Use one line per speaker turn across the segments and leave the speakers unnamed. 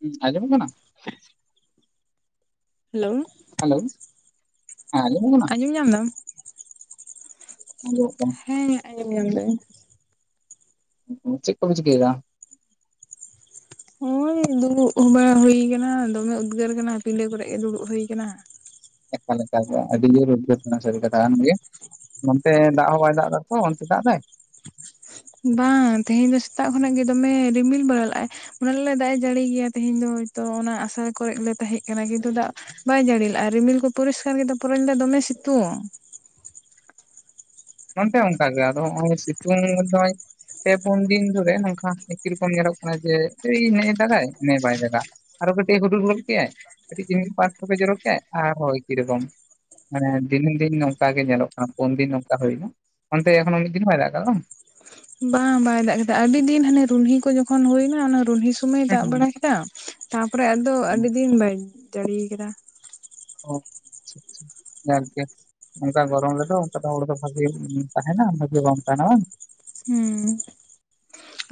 ᱦᱩᱸ ᱟᱸᱡᱚᱢᱚᱜ ᱠᱟᱱᱟ
ᱦᱮᱞᱳ
ᱦᱮᱞᱳ ᱦᱮ ᱟᱡᱚᱢᱚᱜ ᱠᱟᱱᱟ᱾
ᱟᱸᱡᱚᱢ ᱧᱟᱢ ᱫᱟᱢ᱾
ᱟᱡᱚᱢᱚᱜ ᱠᱟᱱᱟ᱾
ᱦᱮᱸ ᱟᱸᱡᱚᱢᱚᱜ ᱧᱟᱢ ᱫᱟᱹᱧ᱾
ᱪᱮᱫ ᱠᱚᱢ ᱪᱤᱠᱟᱹᱭᱮᱫᱟ᱾
ᱦᱳᱭ ᱫᱩᱲᱩᱵ ᱵᱟᱲᱟ ᱦᱩᱭ ᱠᱟᱱᱟ ᱫᱚᱢᱮ ᱩᱫᱽᱜᱟᱹᱨ ᱠᱟᱱᱟ ᱯᱤᱰᱟᱹ ᱠᱚᱨᱮ ᱜᱮ ᱫᱩᱲᱩᱵ ᱦᱩᱭᱩ ᱠᱟᱱᱟ᱾
ᱮᱠᱟᱞ ᱮᱠᱟᱞ ᱟᱹᱰᱤ ᱡᱳᱨ ᱩᱫᱜᱟᱹᱨ ᱠᱟᱱᱟ ᱥᱟᱹᱨᱤ ᱠᱟᱛᱷᱟ ᱠᱟᱱ ᱜᱮ᱾ ᱱᱚᱱᱛᱮ ᱫᱟᱜ ᱦᱚᱸ ᱵᱟᱭ ᱫᱟᱜ ᱮᱫᱟ ᱛᱚ ᱚᱱᱛᱮ ᱫᱟᱜ ᱫᱟᱭ?
ᱵᱟᱝ ᱛᱮᱦᱮᱧ ᱫᱚ ᱥᱮᱛᱟᱜ ᱠᱷᱚᱱᱟᱜ ᱜᱮ ᱫᱚᱢᱮ ᱨᱤᱢᱤᱞ ᱵᱟᱲᱟ ᱞᱟᱜᱼᱟᱭ। ᱢᱚᱱᱮ ᱞᱮ ᱫᱟᱜ ᱮ ᱡᱟᱹᱲᱤ ᱜᱮᱭᱟ ᱛᱮᱦᱤᱧ ᱫᱚ ᱦᱚᱭᱛᱳ ᱚᱱᱟ ᱟᱥᱟ ᱠᱚᱨᱮᱞᱮ ᱛᱟᱦᱮᱸ ᱠᱟᱱᱟ ᱠᱤᱱᱛᱩ ᱫᱟᱜᱼᱼ ᱵᱟᱭ ᱡᱟᱹᱲᱤ ᱞᱟᱜ-ᱟᱭ ᱨᱤᱢᱤᱞ ᱠᱚ ᱯᱚᱨᱤᱥᱠᱟᱨ ᱠᱮᱫᱚ ᱯᱚᱨᱮ ᱛᱮᱫᱚ ᱫᱚᱢᱮ ᱥᱤᱛᱩᱝ᱾
ᱱᱚᱱᱛᱮ ᱦᱚ ᱚᱱᱠᱟ ᱜᱮ ᱟᱫᱚ ᱦᱚᱜ-ᱚᱭ ᱥᱤᱛᱩᱝ ᱮᱫᱚᱭ᱾ ᱯᱮ ᱯᱩᱱ ᱫᱤᱱ ᱫᱷᱚᱨᱮ ᱱᱚᱝᱠᱟ ᱮᱠᱤ ᱨᱚᱠᱚᱢ ᱧᱮᱞᱚᱜ ᱠᱟᱱᱟ ᱡᱮ ᱮᱭ ᱱᱮᱜ ᱮ ᱫᱟᱜᱟᱭ ᱵᱟᱭ ᱫᱟᱜᱟ᱾ ᱟᱨᱚ ᱠᱟᱹᱴᱤᱡ ᱦᱩᱰᱩᱨ ᱜᱚᱫ ᱠᱮᱜ-ᱟᱭ, ᱠᱟᱹᱴᱤᱡ ᱪᱤᱱ ᱯᱟᱴ ᱯᱚᱷᱴᱮ ᱡᱚᱨᱚ ᱠᱮᱜ-ᱟᱭ ᱟᱨᱚ ᱮᱠᱤ ᱨᱚᱠᱚᱢ᱾ ᱢᱟᱱᱮ ᱫᱤᱱᱟᱹᱢ ᱫᱤᱱ ᱱᱚᱝᱠᱟ ᱜᱮ ᱧᱮᱞᱚᱜ ᱠᱟᱱᱟ ᱯᱩᱱ ᱫᱤᱱ ᱱᱚᱝᱠᱟ ᱦᱩᱭᱱᱟ, ᱚᱱᱛᱮ ᱮᱠᱷᱚᱱ ᱢᱤᱫ ᱫᱤᱱ ᱦᱚ ᱵᱟᱭ ᱫᱟᱜ ᱠᱟᱫᱟ ᱵᱟᱝ?
ᱵᱟᱝ ᱵᱟᱭ ᱫᱟᱜ ᱠᱟᱫᱟ ᱟᱹᱰᱤ ᱫᱤᱱ ᱦᱟᱱᱮ ᱨᱩᱱᱦᱤ ᱠᱚ ᱡᱚᱠᱷᱚᱱ ᱦᱩᱭᱱᱟ ᱚᱱᱟ ᱨᱩᱱᱦᱤ ᱥᱚᱢᱟᱭ ᱮ
ᱦᱩᱸ
ᱫᱟᱜ
ᱦᱩᱸ
ᱵᱟᱲᱟ ᱠᱮᱫᱟ ᱛᱟᱯᱚᱨᱮ ᱟᱫᱚ
ᱦᱩᱸ
ᱟᱹᱰᱤ ᱫᱤᱱ ᱵᱟᱭ ᱡᱟᱲᱤ ᱠᱟᱫᱟ᱾
ᱚ ᱡᱟᱜᱽᱜᱮ᱾ ᱚᱱᱠᱟ ᱜᱚᱨᱚᱢ ᱨᱮᱫᱚ ᱚᱱᱠᱟ ᱛᱮ ᱦᱚᱲ ᱫᱚ ᱵᱷᱟᱜᱮᱢ ᱛᱟᱦᱮᱱᱟ ᱵᱷᱟᱜᱮ ᱵᱟᱢ ᱛᱟᱦᱮᱱᱟ ᱵᱟᱝ᱾
ᱦᱩᱸ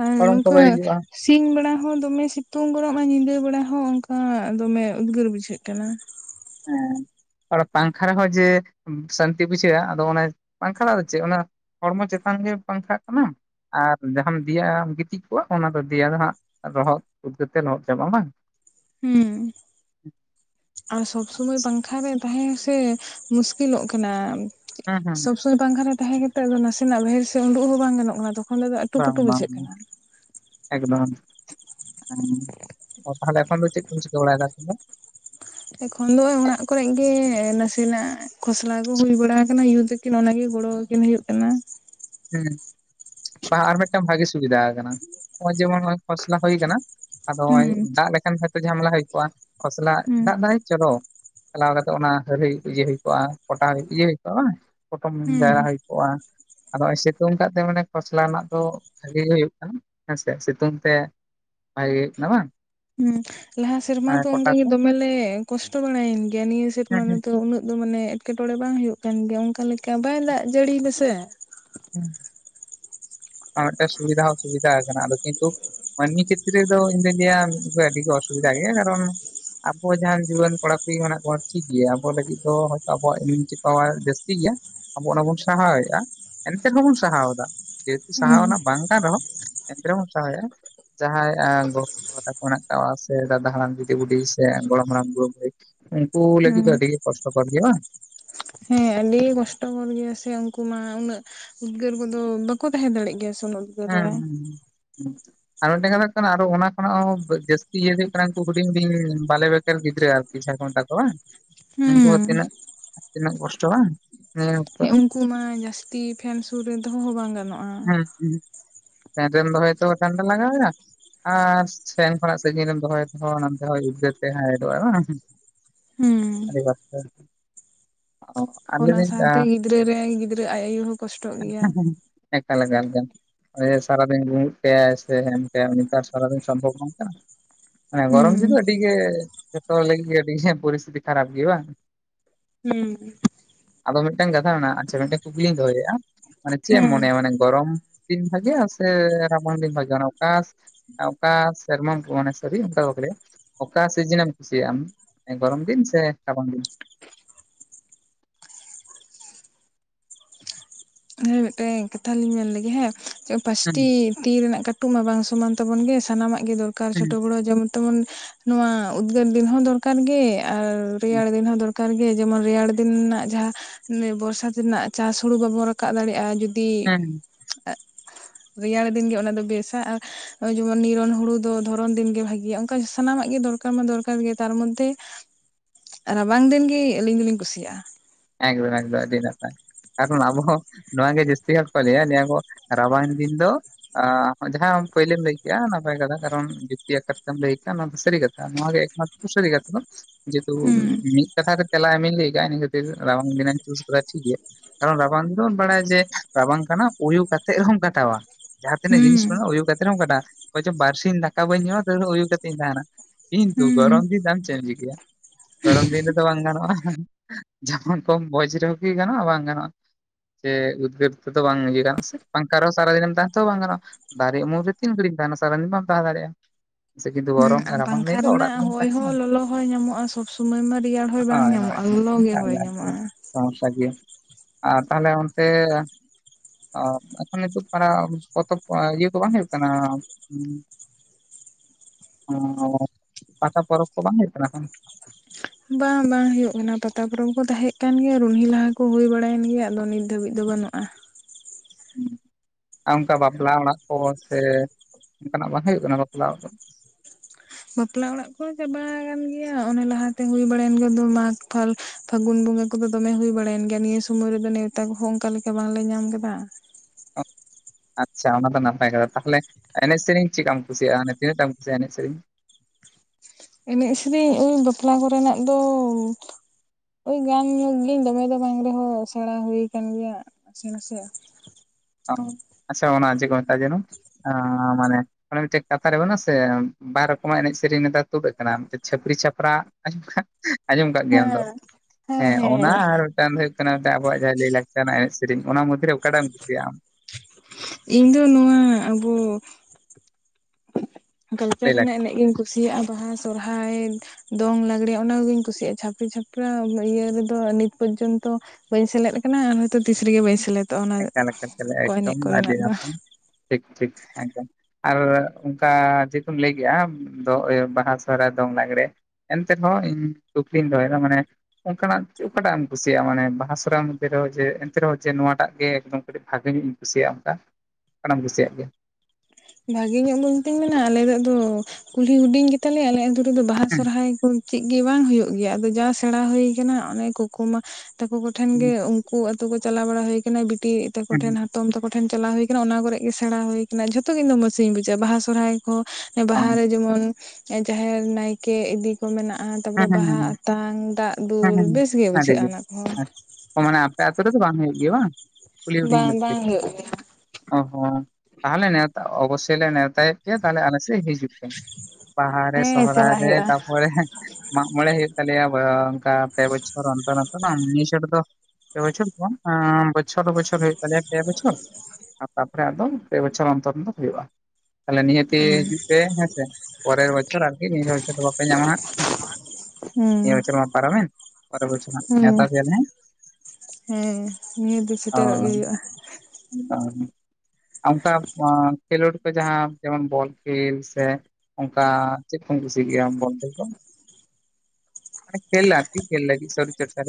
ᱟᱨ
ᱦᱚᱲᱢᱚ ᱠᱚ
ᱱᱚᱝᱠᱟ
ᱵᱟᱹᱲᱤᱡᱚᱜᱼᱟ
ᱥᱤᱧ ᱵᱮᱲᱟ ᱦᱚᱸ ᱫᱚᱢᱮ ᱥᱤᱛᱩᱝ ᱜᱚᱨᱚᱢ ᱟᱨ ᱧᱤᱫᱟᱹ ᱵᱮᱲᱟ ᱦᱚᱸ ᱚᱱᱠᱟ ᱫᱚᱢᱮ ᱩᱫᱽᱜᱟᱹᱨ ᱵᱩᱡᱷᱟᱹᱜ ᱠᱟᱱᱟ᱾
ᱦᱮᱸ᱾ ᱟᱨ ᱯᱟᱝᱠᱷᱟ ᱨᱮᱦᱚᱸ ᱡᱮ ᱥᱟᱱᱛᱤ ᱵᱩᱡᱷᱟᱹᱜᱼᱟ ᱟᱫᱚ ᱚᱱᱮ ᱯᱟᱝᱠᱷᱟ ᱫᱚ ᱟᱫᱚ ᱪᱮᱫ ᱚᱱᱟ ᱦᱚᱲᱢᱚ ᱪᱮᱛᱟᱱ ᱜᱮᱢ ᱯᱟᱝᱠᱷᱟᱜ ᱠᱟᱱᱟ᱾ ᱟᱨ ᱡᱟᱦᱟᱢ ᱫᱤᱭᱟᱢ ᱜᱤᱛᱤᱡ ᱠᱚᱜᱼᱟ, ᱚᱱᱟ ᱫᱚ ᱫᱮᱭᱟ ᱫᱚ ᱦᱟᱜ ᱞᱚᱦᱚᱫ ᱩᱫᱜᱟᱹᱨ ᱛᱮ ᱞᱚᱦᱚᱫ ᱪᱟᱵᱟᱜᱼᱟ ᱵᱟᱝ?
ᱦᱩᱸ ᱟᱨ ᱥᱚᱵ ᱥᱚᱢᱚᱭ ᱯᱟᱝᱠᱷᱟ ᱨᱮ ᱛᱟᱦᱮᱸ ᱦᱚᱸ ᱥᱮ ᱢᱩᱥᱠᱤᱞᱚᱜ ᱠᱟᱱᱟ,
ᱦᱩᱸ ᱦᱩᱸ
ᱥᱚᱵ ᱥᱚᱵ ᱥᱚᱢᱚᱭ ᱯᱟᱝᱠᱷᱟ ᱨᱮ ᱛᱟᱦᱮᱸ ᱠᱟᱛᱮ ᱫᱚ ᱱᱟᱥᱮᱱᱟᱜ ᱵᱟᱦᱮᱨ ᱥᱮᱱ ᱩᱰᱩᱜ ᱦᱚᱸ ᱵᱟᱝ ᱜᱟᱱᱚᱜ ᱠᱟᱱᱟ ᱟᱫᱚ᱾
ᱵᱟᱝ ᱵᱟᱝ᱾ ᱮᱠᱫᱚᱢ ᱦᱩ ᱛᱟᱦᱚᱞᱮ ᱮᱠᱷᱚᱱ ᱫᱚ ᱪᱮᱫ ᱠᱚᱢ ᱪᱤᱠᱟᱹ ᱵᱟᱲᱟᱭᱮᱫᱟ ᱮᱠᱷᱚᱱ ᱫᱚ?
ᱮᱠᱷᱚᱱ ᱫᱚ ᱚᱲᱟᱜ ᱠᱚᱨᱮᱜ ᱜᱮ ᱱᱟᱥᱮᱱᱟᱜ᱾ ᱠᱷᱚᱥᱞᱟ ᱠᱚ ᱦᱩᱭ ᱵᱟᱲᱟ ᱟᱠᱟᱱᱟ ᱭᱩ ᱛᱟᱠᱤᱱ ᱚᱱᱟᱜᱮ ᱜᱚᱲᱚ ᱟᱹᱠᱤᱱ ᱦᱩᱭᱩᱜ ᱠᱟᱱᱟ᱾
ᱦᱩᱸ ᱟᱨ ᱢᱤᱫᱴᱟᱝ ᱵᱷᱟᱜᱤ ᱥᱩᱵᱤᱫᱟ ᱠᱟᱱᱟ ᱱᱚᱜ-ᱚᱭ ᱡᱮᱢᱚᱱ ᱠᱷᱚᱥᱞᱟ ᱦᱩᱭ ᱠᱟᱱᱟ᱾ ᱟᱫᱚ ᱦᱚᱜᱼᱚᱭ
ᱦᱩᱸ
ᱫᱟᱜ ᱞᱮᱠᱷᱟᱱ ᱡᱷᱚᱛᱚ ᱡᱷᱟᱢᱮᱞᱟ ᱦᱩᱭ ᱠᱚᱜᱼᱟ, ᱠᱷᱚᱥᱞᱟ
ᱦᱩᱸ
ᱫᱟᱜ ᱫᱟᱭ ᱪᱚᱞᱚ ᱪᱟᱞᱟᱣ ᱠᱟᱛᱮ ᱚᱱᱟ ᱦᱟᱹᱨ ᱦᱳᱭ ᱤᱭᱟᱹ ᱦᱩᱭ ᱠᱚᱜᱼᱟ ᱠᱚᱴᱟ ᱦᱩᱭᱩᱜ ᱤᱭᱟᱹ ᱦᱩᱭ ᱠᱚᱜᱼᱟ ᱵᱟᱝ? ᱯᱚᱴᱚᱢ ᱢᱩᱱᱜᱟᱹ
ᱦᱩᱸ
ᱟᱲᱟ ᱦᱩᱭ ᱠᱚᱜ-ᱟ᱾ ᱟᱫᱚ ᱦᱚᱜ-ᱚᱭ ᱥᱤᱛᱩᱝ ᱠᱟᱜ ᱛᱮ ᱢᱟᱱᱮ ᱠᱷᱚᱥᱞᱟ ᱨᱮᱱᱟᱜ ᱫᱚ ᱵᱷᱟᱜᱤ ᱜᱮ ᱦᱩᱭᱩᱜ ᱠᱟᱱᱟ ᱦᱮᱸᱥᱮ, ᱥᱤᱛᱩᱝ ᱛᱮ ᱵᱷᱟᱜᱮ ᱦᱳᱭᱳᱜ ᱠᱟᱱᱟ ᱵᱟᱝ?
ᱦᱩᱸ। ᱞᱟᱦᱟ ᱥᱮᱨᱢᱟ
ᱢᱟᱱᱮ
ᱫᱚ
ᱠᱚᱴᱟ
ᱚᱱᱠᱟᱜᱮ
ᱠᱚ
ᱫᱚᱢᱮ ᱞᱮ ᱠᱚᱥᱴᱚ ᱵᱟᱲᱟᱭᱮᱱ ᱜᱮᱭᱟ ᱱᱤᱭᱟᱹ ᱥᱮᱨᱢᱟ
ᱦᱮᱸ ᱦᱮᱸ
ᱨᱮᱫᱚ ᱩᱱᱟᱹᱜ ᱫᱚ ᱢᱟᱱᱮ ᱮᱴᱠᱮᱴᱚᱬᱮ ᱵᱟᱝ ᱦᱩᱭᱩᱜ ᱠᱟᱱ ᱜᱮᱭᱟ ᱚᱱᱠᱟ ᱞᱮᱠᱟ ᱵᱟᱭ ᱫᱟᱜ ᱡᱟᱹᱲᱤᱭᱮᱫᱟ ᱥᱮ᱾
ᱦᱩᱸ᱾ ᱟᱨ ᱢᱤᱫᱴᱮᱡ ᱥᱩᱵᱤᱫᱟ ᱦᱚ ᱥᱩᱵᱤᱫᱟ ᱟᱠᱟᱱᱟ ᱟᱫᱚ ᱠᱤᱱᱛᱩ ᱢᱟᱹᱱᱢᱤ ᱠᱷᱮᱛᱨᱮ ᱨᱮ ᱫᱚ ᱤᱧ ᱫᱚᱧ ᱞᱟᱹᱭᱟ ᱟᱹᱰᱤ ᱜᱮ ᱚᱥᱩᱵᱤᱫᱟ ᱜᱮᱭᱟ, ᱠᱟᱨᱚᱱ ᱟᱠᱚ ᱡᱟᱦᱟᱱ ᱡᱩᱣᱟᱹᱱ ᱠᱚᱲᱟ ᱠᱩᱲᱤ ᱢᱮᱱᱟᱜ ᱠᱚᱣᱟ ᱴᱷᱤᱠ ᱜᱮᱭᱟ ᱟᱵᱚ ᱞᱟᱹᱜᱤᱫ ᱫᱚ ᱟᱵᱚᱣᱟᱜ ᱮᱢᱤᱭᱩᱱᱤᱴᱤ ᱯᱟᱣᱟᱨ ᱡᱟᱹᱥᱛᱤ ᱜᱮᱭᱟ᱾ ᱟᱵᱚ ᱚᱱᱟ ᱵᱚᱱ ᱥᱟᱦᱟᱣᱮᱜ-ᱟ, ᱮᱱᱛᱮ ᱨᱮᱦᱚᱸ ᱵᱚᱱ ᱥᱟᱦᱟᱣᱫᱟ ᱡᱮᱦᱮᱛᱩ ᱥᱟᱦᱟᱣ
ᱦᱩᱸ
ᱨᱮᱱᱟᱜ ᱵᱟᱝ ᱠᱟᱱ ᱨᱮᱦᱚᱸ᱾ ᱮᱚᱱᱨᱮᱦᱚᱢ ᱥᱟᱦᱟᱭᱮᱜ-ᱟ᱾ ᱡᱟᱦᱟᱸᱭ ᱜᱚᱵᱟ ᱛᱟᱠᱚ ᱢᱮᱱᱟᱜ ᱟᱠᱟᱫᱣᱟ ᱥᱮ ᱫᱟᱫᱟ ᱦᱟᱲᱟᱢ ᱫᱤᱫᱤ ᱵᱩᱰᱷᱤ ᱥᱮ ᱜᱚᱲᱚᱢ ᱦᱟᱲᱟᱢ ᱜᱚᱲᱚᱢ ᱵᱩᱰᱦᱤ᱾ ᱩᱱᱠᱩ ᱞᱟᱹᱜᱤᱫ
ᱦᱩᱸ
ᱫᱚ ᱟᱹᱰᱤᱜᱮ ᱠᱚᱥᱴᱚ ᱠᱚᱨ ᱜᱮᱭᱟ ᱵᱟᱝ?
ᱦᱮᱸ ᱟᱹᱰᱤ ᱠᱚᱥᱴᱚᱠᱚᱨ ᱜᱮᱭᱟ ᱥᱮ ᱩᱱᱠᱩ ᱢᱟ ᱩᱱᱟᱹᱜ ᱩᱫᱽᱜᱟᱹᱨ ᱠᱚᱫᱚ ᱵᱟᱠᱚ ᱛᱟᱦᱮᱸ ᱫᱟᱲᱮᱜ ᱜᱮᱭᱟ ᱥᱮ ᱩᱱᱟᱹᱜ ᱫᱚ ᱾
ᱦᱮᱸ ᱦᱩᱸ ᱦᱩᱸ᱾ ᱟᱨ ᱢᱮᱫᱴᱮᱱ ᱠᱟᱛᱷᱟᱜ ᱠᱟᱱᱟ ᱟᱨ ᱚᱱᱟ ᱠᱷᱚᱱᱟᱜ ᱦᱚᱸ ᱡᱟᱹᱥᱛᱤ ᱤᱭᱟᱹ ᱦᱩᱭᱩᱜ ᱠᱟᱱᱟ ᱩᱱᱠᱩ ᱦᱩᱰᱤᱧ ᱵᱤᱧ ᱵᱟᱞᱮ--᱾ ᱱᱮᱛᱟᱨ ᱜᱤᱫᱽᱨᱟᱹ ᱟᱨᱠᱤ ᱥᱮᱨ ᱠᱚ ᱢᱮᱛᱟ ᱠᱚ ᱵᱟᱝ ᱩᱱᱠᱩ
ᱦᱩᱸ
ᱦᱚᱸ ᱛᱤᱱᱟᱹᱜ ᱛᱤᱱᱟᱹᱜ ᱠᱚᱥᱴᱚ ᱵᱟᱝ?᱾ [unintelligible]
ᱠᱩ ᱢᱟ ᱡᱟᱹᱥᱛᱤ ᱯᱷᱮᱱ ᱥᱩᱨ ᱨᱮ ᱫᱚᱦᱚ ᱦᱚᱸ ᱵᱟᱝ ᱜᱟᱱᱚᱜᱼᱟ
ᱦᱮᱸ ᱯᱷᱮᱱ ᱨᱮᱢ ᱫᱚᱦᱚᱭ ᱛᱮᱦᱚᱸ ᱴᱷᱟᱱᱰᱟ ᱞᱟᱜᱟᱣ ᱟᱭᱟ᱾ ᱟᱨ ᱥᱮᱱ ᱠᱷᱚᱱᱟᱜ ᱥᱟᱺᱜᱤᱧ ᱨᱮᱢ ᱫᱚᱦᱚᱭ ᱛᱮᱦᱚᱸ ᱚᱱᱟ ᱛᱮᱦᱚᱸᱭ ᱩᱫᱜᱟᱹᱨ ᱛᱮᱭ ᱦᱟᱭᱮᱫᱚᱜ-ᱟᱭ ᱵᱟᱝ᱾
ᱦᱩᱸ
ᱟᱹᱰᱤ᱾ [unintelligible] ᱟᱨ
ᱚᱱᱟ
ᱞᱟᱹᱭᱫᱟᱹᱧ
ᱥᱟᱶᱛᱮ
ᱟᱸ
ᱜᱤᱫᱽᱨᱟᱹ ᱨᱮ ᱜᱤᱫᱽᱨᱟᱹ ᱟᱡ ᱟᱭᱳ ᱦᱚᱸ ᱠᱚᱥᱴᱚᱜ ᱜᱮᱭᱟ᱾
ᱮᱠᱟᱞ ᱜᱟᱱ ᱜᱮᱭᱟᱢ᱾ ᱥᱟᱨᱟ ᱫᱤᱱ ᱜᱩᱸᱜᱩᱫ ᱠᱟᱭᱟᱭ ᱥᱮ ᱦᱮᱢ ᱠᱟᱭᱟᱭ ᱩᱱᱤᱫᱚ ᱥᱟᱨᱟ ᱫᱤᱱ ᱥᱚᱢᱵᱷᱚᱵ ᱵᱟᱝ ᱠᱟᱱᱟ᱾ ᱢᱟᱱᱮ
ᱦᱩᱸ
ᱜᱚᱨᱚᱢ ᱨᱮᱫᱚ ᱟᱹᱰᱤ ᱜᱮ ᱡᱷᱚᱛᱚ ᱦᱚᱲ ᱞᱟᱹᱜᱤᱫ ᱜᱮ ᱯᱚᱨᱤᱥᱛᱤᱛᱤ ᱠᱷᱟᱨᱟᱵ ᱜᱮᱭᱟ ᱵᱟᱝ᱾
ᱦᱩᱸ--᱾
ᱟᱫᱚ ᱢᱤᱫᱴᱟᱝ ᱠᱟᱛᱷᱟ ᱢᱮᱱᱟᱜᱼᱟ ᱟᱪᱪᱷᱟ ᱢᱤᱫᱴᱟᱝ ᱠᱩᱠᱞᱤᱧ ᱫᱚᱦᱚᱭᱮᱫ-ᱟ ᱢᱟᱱᱮ ᱪᱮᱜ ᱮᱢ
ᱦᱮᱸ
ᱢᱚᱱᱮ--᱾ ᱢᱟᱱᱮ ᱢᱟᱱᱮ ᱜᱚᱨᱚᱢ ᱫᱤᱱ ᱵᱷᱟᱜᱮᱭᱟ ᱥᱮ ᱨᱟᱵᱟᱝ ᱫᱤᱱ ᱵᱷᱟᱜᱮᱭᱟ ᱢᱟᱱᱮ ᱚᱠᱟ᱾ ᱚᱠᱟ ᱥᱮᱨᱢᱟᱢ [unintelligible] ᱥᱟᱹᱨᱤ ᱚᱱᱠᱟ ᱵᱟᱠᱚ ᱞᱮᱭᱟ᱾ ᱚᱠᱟ ᱥᱤᱡᱤᱱ ᱮᱢ ᱠᱩᱥᱤᱭᱟᱜᱼᱟ ᱟᱢ ᱜᱚᱨᱚᱢ ᱫᱤᱱ ᱥᱮ ᱥᱟᱵᱟᱝ ᱫᱤᱱ᱾
ᱦᱮᱸ ᱢᱮᱫ ᱴᱮᱝ ᱾ ᱠᱟᱛᱷᱟ ᱞᱤᱧ ᱢᱮᱱ ᱞᱮᱜᱮ ᱦᱮᱸ
ᱦᱩᱸ
ᱯᱟᱸᱪᱴᱤ ᱛᱤ ᱨᱮᱱᱟᱜ ᱠᱟᱹᱴᱩ ᱢᱟ ᱵᱟᱝ ᱥᱚᱢᱟᱱ ᱛᱟᱵᱚᱱ ᱜᱮ ᱥᱟᱱᱟᱢᱟᱜ ᱜᱮ ᱫᱚᱨ--᱾ ᱠᱟᱨ
ᱦᱩᱸ
ᱪᱷᱳᱴᱳ ᱵᱚᱲᱳ ᱡᱮᱢᱚᱱ ᱛᱮᱢᱚᱱ ᱱᱚᱣᱟ ᱩᱫᱽᱜᱟᱹᱨ ᱫᱤᱱ ᱦᱚᱸ ᱫᱚᱨᱠᱟᱨ ᱜᱮ᱾ ᱟᱨ
ᱦᱩᱸ
ᱨᱮᱭᱟᱲ ᱫᱤᱱ ᱦᱚᱸ ᱫᱚᱨ--᱾ ᱠᱟᱨ ᱜᱮ ᱡᱮᱢᱚᱱ ᱨᱮᱭᱟᱲ ᱫᱤᱱ ᱨᱮᱱᱟᱜ ᱡᱟᱦᱟᱸ ᱵᱚᱨᱥᱟ ᱨᱮᱱᱟᱜ ᱪᱟᱥ ᱦᱩᱲᱩ ᱵᱟᱵᱚᱱ ᱨᱟᱠᱟᱵ ᱫᱟᱲᱮᱭᱟᱜᱼᱟ ᱡᱩ--᱾
ᱦᱩᱸ
[unintelligible] ᱨᱮᱭᱟᱲ ᱫᱤᱱ ᱜᱮ ᱚᱱᱟ ᱫᱚ ᱵᱮᱥᱟ ᱟᱨ᱾ ᱡᱮᱢᱚᱱ ᱱᱤᱨᱚᱱ ᱦᱩᱲᱩ ᱫᱚ ᱫᱷᱚᱨᱚᱱ ᱫᱤᱱᱜᱮ ᱵᱷᱟᱜᱤᱭᱟ ᱚᱱᱠᱟ ᱥᱟᱱᱟᱢᱟᱜ ᱜᱮ ᱫᱚᱨᱠᱟᱨ ᱢᱟ ᱫᱚᱨᱠᱟᱨ ᱜᱮᱭᱟ ᱛᱟᱨ ᱢᱚᱫᱽᱫᱷᱮ᱾
[unintelligible]
ᱨᱟᱵᱟᱝ ᱫᱤᱱ ᱜᱤ ᱟᱹᱞᱤᱧ ᱫᱚᱞᱤᱧ ᱠᱩᱥᱤᱭᱟᱜᱼᱟ᱾
ᱮᱠᱫᱚᱢ ᱮᱠᱫᱚᱢ ᱟᱹᱰᱤ ᱱᱟᱯᱟᱭ᱾ [unintelligible] ᱟᱵᱚ ᱦᱚ ᱱᱚᱣᱟ ᱜᱮ ᱡᱟᱹᱥᱛᱤ ᱜᱟᱱ ᱠᱚ ᱞᱮᱭᱟ ᱞᱮᱭᱟ ᱠᱚ ᱨᱟᱵᱟᱝ ᱫᱤᱱ ᱫᱚ᱾ ᱟ ᱡᱟᱦᱟᱸ ᱯᱳᱭᱞᱳᱢ ᱞᱟᱹᱭ ᱠᱮᱜᱼᱟ ᱱᱟᱯᱟᱭ ᱠᱟᱛᱷᱟ ᱠᱟᱨᱚᱱ ᱡᱩᱠᱛᱤ ᱟᱠᱟᱨ ᱛᱮᱢ ᱞᱟᱹᱭ ᱠᱮᱜᱼᱟ ᱱᱚᱣᱟ ᱫᱚ ᱥᱟᱹᱨᱤ ᱠᱟᱛᱷᱟ ᱱᱚᱣᱟ ᱱᱚᱣᱟ ᱜᱮ ᱮᱠ ᱢᱟᱛᱨᱚ᱾ ᱥᱟᱹᱨᱤ ᱠᱟᱛᱷᱟ ᱡᱮᱦᱮᱛᱩ
ᱦᱩᱸ
ᱢᱤᱫ ᱠᱟᱛᱷᱟ ᱛᱮ ᱛᱮᱞᱟ ᱮᱢᱤᱧ ᱞᱮᱭ ᱠᱟᱜᱼᱟ᱾ [unintelligible] ᱨᱟᱵᱟᱝ ᱫᱤᱱ ᱪᱩᱥ ᱠᱟᱫᱟ ᱴᱷᱤᱠ ᱜᱮᱭᱟ ᱾ ᱠᱟᱨᱚᱱ ᱨᱟᱵᱟᱝ ᱫᱚᱢ ᱵᱟᱲᱟᱭᱟ ᱡᱮ ᱨᱟᱵᱟᱝ ᱠᱟᱱᱟ ᱳᱭᱳ‌ ᱠᱟᱛᱮᱫ ᱨᱮᱦᱚᱢ ᱠᱟᱴᱟᱣᱟ᱾ ᱡᱟᱦᱟᱸ ᱛᱤᱱᱟᱹᱜ ᱡᱤᱱᱤᱥ
ᱦᱩᱸ
ᱨᱮᱦᱚᱸ ᱳᱭᱳ ᱠᱟᱛᱮᱫ ᱨᱮᱦᱚᱸ ᱠᱟᱴᱟᱜᱼᱟ ᱵᱚᱪᱚᱢ ᱵᱟᱨᱥᱤᱧ ᱫᱟᱠᱟ ᱵᱟᱹᱧ ᱡᱚᱢᱟ ᱛᱟ. ᱨᱮᱦᱚ ᱳᱭᱳ ᱠᱟᱛᱮᱫ ᱤᱧ ᱛᱟᱦᱮᱱᱟ᱾ ᱠᱤᱱᱛᱩ
ᱦᱩᱸ
ᱜᱚᱨᱚᱢ ᱫᱤᱱ ᱫᱚᱢ ᱪᱮᱫ ᱮᱢ ᱪᱤᱠᱟᱭᱟ ᱜᱚᱨᱚᱢ ᱫᱤᱱ ᱨᱮᱫᱚ ᱵᱟᱝ ᱜᱟᱱᱚᱜᱼᱟ᱾ [unintelligible] ᱠᱚᱢ ᱵᱚᱡᱽ ᱨᱮᱦᱚᱸ ᱠᱤ ᱜᱟᱱᱚᱜᱼᱟ ᱵᱟᱝ ᱜᱟᱱᱚᱜᱼᱟ᱾ ᱥᱮ ᱩᱫᱽᱜᱟᱹᱨ ᱛᱮᱫᱚ ᱵᱟᱝ ᱤᱭᱟᱹ ᱜᱟᱱᱚᱜᱼᱟ ᱥᱮ ᱯᱟᱝᱠᱷᱟ ᱨᱮᱦᱚᱸ ᱥᱟᱨᱟ ᱫᱤᱱ ᱮᱢ ᱛᱟᱦᱮᱱ ᱛᱮᱦᱚᱸ ᱵᱟᱝ ᱜᱟᱱᱚᱜᱼᱟ᱾ ᱫᱟᱨᱮ ᱩᱢᱩᱞ ᱨᱮ ᱛᱤᱱ ᱜᱷᱟᱹᱲᱤᱜ ᱮᱢ ᱛᱟᱦᱮᱱᱟ ᱥᱟᱨᱟ ᱫᱤᱱ ᱵᱟᱢ ᱛᱟᱦᱮᱸ ᱫᱟᱲᱮᱭᱟᱜᱼᱟ᱾ ᱥᱮ ᱠᱤᱱᱛᱩ ᱜᱚᱨᱚᱢ
ᱦᱮᱸ
ᱨᱟᱵᱟᱝ
ᱯᱟᱝᱠᱷᱟ
ᱫᱤᱱ ᱫᱚ ᱚᱲᱟᱜ
ᱨᱮᱱᱟᱜ
ᱨᱮᱜᱮᱢ
ᱦᱚᱭ
ᱛᱟᱦᱮᱱᱟ
ᱦᱚᱸ ᱞᱚᱞᱚ ᱦᱚᱭ ᱧᱟᱢᱚᱜᱼᱟ ᱥᱚᱵ ᱥᱩᱢᱟᱹᱭ ᱢᱟ ᱨᱮᱭᱟᱲ ᱦᱚᱭ ᱵᱟᱝ
ᱦᱳᱭ ᱦᱳᱭ
ᱧᱟᱢᱚᱜᱼᱟ᱾ ᱟᱨ
ᱦᱳᱭ
ᱞᱚᱞᱚ ᱜᱮ
ᱚᱱᱠᱟ
ᱦᱚᱭ
ᱟᱨᱠᱤ
ᱧᱟᱢᱚᱜᱼᱟ᱾
ᱥᱚᱢᱚᱥᱥᱟ ᱜᱮᱭᱟ ᱟᱨ ᱛᱟᱦᱞᱮ ᱚᱱᱛᱮ--᱾ ᱚ ᱮᱠᱷᱚᱱ [unintelligible] ᱯᱚᱛᱚᱵ ᱠᱚ ᱤᱭᱟᱹ ᱠᱚ ᱵᱟᱝ ᱦᱳᱭᱳᱜ ᱠᱟᱱᱟ᱾ ᱚ ᱯᱟᱛᱟ ᱯᱚᱨᱚᱵᱽ ᱠᱚ ᱵᱟᱝ ᱦᱩᱭᱩᱜ ᱠᱟᱱᱟ ᱮᱠᱷᱚᱱ᱾
ᱵᱟᱝ ᱵᱟᱝ ᱦᱩᱭᱩᱜ ᱠᱟᱱᱟ ᱯᱟᱛᱟ ᱯᱚᱨᱚᱵᱽ ᱠᱚ ᱛᱟᱦᱮᱸ ᱠᱟᱱ ᱜᱮᱭᱟ [unintelligible] ᱞᱟᱦᱟ ᱠᱚ ᱦᱩᱭ ᱵᱟᱲᱟᱭ ᱮᱱ ᱜᱮᱭᱟ ᱟᱫᱚ ᱱᱤᱛ᱾ ᱱᱤᱛ ᱫᱷᱟᱹᱵᱤᱡ ᱫᱚ ᱵᱟᱹᱱᱩᱜᱼᱟ᱾
ᱟᱨ ᱚᱱᱠᱟ ᱵᱟᱯᱞᱟ ᱚᱲᱟᱜ ᱠᱚ ᱥᱮ ᱚᱱᱠᱟᱱᱟᱜ ᱵᱟᱝ ᱦᱩᱭᱩᱜ ᱠᱟᱱᱟ ᱵᱟᱯᱞᱟ ᱚᱲᱟᱜ᱾
ᱵᱟᱯᱞᱟ ᱚᱲᱟᱜ ᱠᱚᱦᱚᱸ ᱪᱟᱵᱟ ᱟᱠᱟᱱ ᱜᱮᱭᱟ ᱚᱱᱟ ᱞᱟᱦᱟᱛᱮ ᱦᱩᱭ ᱵᱟᱲᱟᱭᱮᱱ ᱜᱮᱭᱟ ᱢᱟᱜᱽ.. ᱯᱷᱟᱹᱜᱩᱱ ᱵᱚᱸᱜᱟ ᱠᱚᱫᱚ ᱫᱚᱢᱮ ᱦᱩᱭᱵᱟᱰᱟᱭ ᱮᱱ ᱜᱮᱭᱟ ᱱᱤᱭᱟᱹ ᱥᱩᱢᱚᱭ ᱨᱮᱫᱚ ᱱᱮᱣᱛᱟ ᱠᱚᱦᱚᱸ ᱚᱱᱠᱟ ᱞᱮᱠᱟ ᱵᱟᱝᱞᱮ ᱧᱟᱢ ᱠᱮᱫᱟ᱾
ᱟᱪᱪᱷᱟ ᱚᱱᱟ ᱫᱚ ᱱᱟᱯᱟᱭ ᱠᱟᱛᱷᱟ ᱛᱟᱦᱚᱞᱮ ᱮᱱᱮᱡ ᱥᱮᱨᱮᱧ ᱪᱮᱫᱠᱟᱢ ᱠᱩᱥᱤᱭᱟᱜᱼᱟ ᱛᱤᱱᱟᱹᱜ ᱴᱟᱢ ᱠᱩᱥᱤᱭᱟᱜᱼᱟ ᱮᱱᱮᱡ ᱥᱮᱨᱮᱧ...
ᱮᱱᱮᱡ ᱥᱮᱨᱮᱧ ᱵᱟᱯᱞᱟ ᱠᱚᱨᱮᱱᱟᱜ ᱫᱚ ᱜᱟᱱ ᱜᱤᱭᱟᱹᱧ ᱫᱚᱢᱮ ᱫᱚ ᱵᱟᱝ ᱨᱮᱦᱚᱸ ᱥᱮᱬᱟ ᱦᱩᱭ ᱟᱠᱟᱱ ᱜᱮᱭᱟ ᱱᱟᱥᱮ ᱱᱟᱥᱮ...
ᱚ ᱟᱪᱪᱷᱟ ᱚᱱᱟ ᱪᱮᱫ ᱠᱚ ᱢᱮᱛᱟᱜ ᱜᱮᱭᱟ ᱠᱚ ᱚᱸ ᱢᱟᱱᱮ᱾ ᱚᱱᱮ ᱢᱤᱫᱴᱮᱡ ᱠᱟᱛᱷᱟ ᱵᱟᱹᱱᱩᱜᱼᱟ ᱥᱮ ᱵᱟᱨ ᱨᱚᱠᱚᱢᱟᱜ ᱮᱱᱮᱡ ᱥᱮᱨᱮᱧ ᱱᱮᱛᱟᱨ ᱛᱩᱫ ᱟᱠᱟᱱᱟ ᱢᱤᱫᱴᱮᱡ ᱪᱟᱹᱯᱨᱤ ᱪᱟᱹᱯᱨᱟ [inaudible] ᱟᱸᱡᱚᱢ ᱟᱠᱟᱫ ᱜᱮᱭᱟᱢ
ᱦᱮᱸ
ᱛᱚ ᱦᱮᱸ ᱚᱱᱟ ᱟᱨ ᱦᱩᱭᱩᱜ ᱠᱟᱱᱟ ᱟᱵᱚᱣᱟᱜ ᱢᱟᱦᱟᱸᱞᱟᱹᱭ ᱞᱟᱠᱪᱟᱨ ᱮᱱᱮᱡ ᱥᱮᱨᱮᱧ ᱚᱱᱟᱚᱫᱽᱫᱷᱮ ᱨᱮ ᱚᱠᱟᱴᱟᱜ ᱮᱢ ᱠᱩᱥᱤᱭᱟᱜᱼᱟᱢ
ᱤᱧ ᱫᱚ ᱱᱚᱶᱟ ᱟᱵᱚ᱾ ᱠᱟᱞᱪᱟᱨ
ᱞᱟᱹᱭ ᱞᱟᱠ
ᱨᱮᱱᱟᱜ ᱮᱱᱮᱡ ᱜᱤᱧ ᱠᱩᱥᱤᱭᱟᱜᱼᱟ ᱵᱟᱦᱟ ᱥᱚᱨᱦᱟᱭ᱾ ᱫᱚᱝ ᱞᱟᱜᱽᱲᱮ ᱚᱱᱟ ᱠᱚᱜᱤᱧ ᱠᱩᱥᱤᱭᱟᱜᱼᱟ ᱪᱷᱟᱯᱨᱤ ᱪᱷᱟᱯᱨᱟ ᱤᱭᱟᱹ ᱨᱮᱫᱚ ᱱᱤᱛ ᱯᱚᱨᱡᱚᱱᱛᱚ᱾ ᱵᱟᱹᱧ ᱥᱮᱞᱮᱫ ᱟᱠᱟᱱᱟ ᱦᱳᱭᱛᱳ ᱛᱤᱥ ᱨᱮᱜᱮ ᱵᱟᱹᱧ ᱥᱮᱞᱮᱫ᱾
[inaudible] ᱮᱫᱚᱢ ᱟᱫ ᱪ ᱪᱫᱚᱢ [inaudible] ᱟᱨ ᱚᱱᱠᱟ ᱡᱮᱫ ᱠᱚᱢ ᱞᱟᱹᱭ ᱠᱮᱫᱼᱟ ᱵᱟᱦᱟ ᱥᱚᱨᱦᱟᱭ ᱫᱚᱝ ᱞᱟᱜᱽᱲᱮ᱾ ᱮᱱᱛᱮ ᱨᱮᱦᱚᱸ ᱤᱧ ᱠᱩᱩᱠᱞᱤᱧ ᱫᱚᱦᱚᱭᱮᱫᱟ ᱢᱟᱱᱮ᱾ ᱚᱱᱠᱟᱱᱟᱜ ᱚᱠᱟᱴᱟᱜ ᱮᱢ ᱠᱩᱥᱤᱭᱟᱜᱼᱟ ᱢᱟᱱᱮ ᱵᱟᱦᱟ ᱥᱚᱨᱚᱨᱟᱭ ᱢᱚᱫᱽᱫᱷᱮ ᱨᱮᱚᱸ ᱡᱮ ᱮᱱᱛᱮ ᱨᱮᱦᱚᱸ ᱡᱮ ᱱᱚᱣᱟᱴᱟᱜ ᱜᱮ ᱮᱠᱫᱚᱢ ᱠᱟᱹᱴᱤᱡ ᱵᱷᱟᱜᱮ ᱧᱚᱜ ᱤᱧ ᱠᱩᱥᱤᱭᱟᱜᱼᱟ ᱚᱱᱠᱟ ᱚᱠᱟᱴᱟᱜ ᱮᱢ ᱠᱩᱥᱤᱭᱟᱜ ᱜᱮᱭᱟ᱾
ᱵᱷᱟᱜᱮ ᱧᱚᱜ ᱵᱚᱞᱛᱤᱧ ᱢᱮᱱᱟ ᱟᱞᱮ ᱫᱚ ᱠᱩᱞᱦᱤ ᱦᱩᱰᱤᱧ ᱜᱮᱛᱟᱞᱮᱭᱟ ᱟᱞᱮᱭᱟᱜ ᱫᱚ ᱟᱯᱮ ᱫᱚ ᱵᱟᱦᱟ
ᱦᱮᱸ
ᱥᱚᱨᱦᱟᱭ ᱠᱚ ᱪᱮᱫ ᱜᱮ ᱵᱟᱝᱳᱭᱳᱜᱼᱟ᱾ ᱡᱟ ᱥᱮᱲᱟᱟ ᱦᱩᱭ ᱟᱠᱟᱱᱟ ᱚᱱᱮ ᱠᱩᱠᱩᱢᱟ ᱛᱟᱠᱚ ᱠᱚᱴᱷᱮᱱ ᱜᱮ
ᱦᱮᱸ
[inaudible] ᱠᱚ ᱪᱟᱞᱟᱣ ᱵᱟᱲᱟ ᱦᱩᱭ ᱟᱠᱟᱱᱟ ᱵᱤᱴᱤ ᱛᱟᱠᱚ
ᱦᱮᱸ
ᱴᱷᱮᱱ ᱦᱟᱛᱚᱢ ᱛᱟᱠᱚ ᱴᱷᱮᱱ ᱪᱟᱞᱟᱣ ᱦᱩᱭ ᱟᱠᱟᱱᱟ ᱚᱱᱟ ᱠᱚᱨᱮᱜ ᱜᱮ ᱥᱮᱬᱟ ᱦᱩᱭ ᱟᱠᱟᱱᱟᱟᱱᱟ ᱡᱷᱚᱛᱚ᱾ ᱡᱚᱛᱚ ᱤᱧ ᱫᱚ ᱢᱚᱡ ᱤᱧ ᱵᱩᱡᱷᱟᱼᱟ ᱵᱟᱦᱟ ᱥᱚᱨᱦᱟᱭ ᱠᱚ
ᱚ
ᱵᱟᱦᱟᱨᱮ ᱡᱮᱢᱚᱱᱻ ᱡᱟᱦᱮᱨ ᱱᱟᱭᱠᱮ ᱤᱫᱤ ᱠᱚ ᱢᱮᱱᱟᱜᱼᱟ᱾ ᱛᱟᱯᱚᱨᱮ
ᱦᱮᱸ ᱦᱮᱸ
ᱵᱟᱦᱟ
ᱦᱮᱸ
ᱟᱛᱟᱝ ᱫᱟᱜ
ᱦᱮᱸ
ᱫᱩᱞ
ᱦᱮᱸ
ᱵᱮᱥ ᱜᱮ
ᱟᱹᱰᱤ
ᱵᱩᱡᱷᱟᱹᱜᱼᱟ ᱚᱱᱟ ᱠᱚᱦᱚᱸ
ᱢᱟᱱᱮ ᱟᱯᱮ ᱟᱛᱳ ᱨᱮᱫᱚ ᱵᱟᱝ ᱦᱩᱭᱩᱜ ᱜᱮᱭᱟ ᱵᱟᱝ ᱠᱩᱞᱤ ᱦᱩᱰᱤᱧ᱾
ᱵᱟᱝ ᱵᱟᱝ ᱦᱩᱭᱩᱜ ᱜᱮᱭᱟ
ᱚ ᱦᱚᱸ ᱛᱟᱦᱚᱞᱮ ᱱᱮᱛᱟ ᱚᱵᱚᱥᱭ ᱞᱮ ᱱᱮᱛᱟ᱾ [inaudible] ᱯᱮᱭᱟ ᱛᱟᱦᱞᱮ ᱟᱞᱮ ᱥᱮᱮᱫ ᱦᱤᱡᱩᱜ ᱯᱮ ᱵᱟᱦᱟ ᱨᱮ
ᱦᱮᱸ
ᱥᱚᱦᱨᱟᱭ
ᱪᱟᱞᱟᱜ
ᱨᱮ
ᱦᱩᱭᱩᱜᱼᱟ
ᱛᱟᱯᱚᱨᱮ ᱢᱟᱜ ᱢᱚᱲᱮ ᱦᱩᱭᱩᱜ ᱛᱟᱞᱮᱭᱟ ᱚᱱᱠᱟ ᱯᱮ ᱵᱪᱚᱨ ᱚᱱᱛᱚᱨ ᱚᱱᱛᱚᱨ [inaudible] ᱫᱚ᱾ ᱯᱮ ᱵᱚᱪᱷᱚᱨ ᱵᱟᱝ ᱵᱚᱪᱷᱚᱨ ᱫᱚ ᱵᱚᱪᱷᱚᱨ ᱦᱩᱭᱩᱜ ᱛᱟᱞᱮᱭᱟ ᱯᱮ ᱵᱚᱪᱷᱚᱨ᱾ ᱟᱞᱮᱟᱜ ᱫᱚ ᱯᱮ ᱵᱚᱪᱷᱚᱨ ᱚᱱᱛᱚᱨ ᱚᱱᱛᱚᱨ ᱫᱚ ᱦᱩᱭᱩᱜᱼᱟ᱾ ᱛᱟᱦᱞᱮ ᱱᱤᱟᱹᱛᱤ ᱦᱤᱡᱩᱜ ᱯᱮ ᱦᱮᱸᱥᱮ ᱯᱚᱨᱮᱨ ᱵᱚᱪᱷᱚᱨ ᱟᱨᱠᱤ ᱱᱤᱭᱟᱹ ᱵᱚᱪᱷᱚᱨ ᱫᱚ ᱵᱟᱯᱮ ᱧᱟᱢᱟ ᱦᱟᱸᱜ᱾ ᱱᱤᱭᱟᱹ
ᱦᱩᱸ
ᱵᱚᱪᱷᱚᱨ ᱢᱟ ᱯᱟᱨᱚᱢ ᱮᱱ ᱯᱚᱨᱮᱨ ᱵᱚᱪᱷᱚᱨ ᱦᱟᱸᱜ
ᱦᱩᱸ
ᱱᱮᱣᱛᱟ ᱯᱮᱭᱟᱞᱮ ᱦᱮᱸ᱾
ᱦᱮᱸ ᱱᱤᱦᱟᱹᱛ ᱜᱮ ᱥᱮᱴᱮᱨᱚᱜ ᱜᱮ ᱦᱩᱭᱩᱜᱼᱟ᱾
ᱚ [inaudible] ᱚᱱᱠᱟ ᱠᱷᱮᱞᱳᱰ ᱠᱚ ᱡᱟᱦᱟᱸ ᱡᱮᱢᱚᱱ ᱵᱚᱞ ᱠᱷᱮᱞ ᱥᱮ... ᱚᱱᱠᱟ ᱪᱮᱫᱠᱩᱢ ᱠᱩᱥᱤᱤᱭᱟᱜᱮᱼᱟ [inaudible] ᱠᱚ᱾ ᱢᱟᱱᱮ ᱠᱷᱮᱞ ᱟᱨᱠᱤ ᱠᱷᱮᱞ ᱞᱟᱜᱤᱫ ᱥᱚᱨᱤ ᱪᱚᱨᱪᱟ᱾